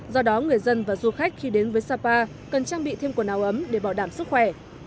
do đó người dân và du khách khi đến với sapa cần trang bị thêm quần áo ấm để bảo đảm sức khỏe